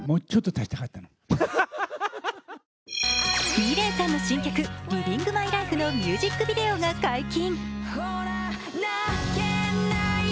ｍｉｌｅｔさんの新曲「ＬｉｖｉｎｇＭｙＬｉｆｅ」のミュージックビデオが解禁。